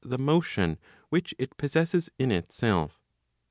369 the motion which it possesses in itself.